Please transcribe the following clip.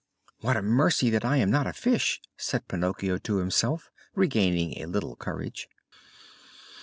"What a mercy that I am not a fish!" said Pinocchio to himself, regaining a little courage.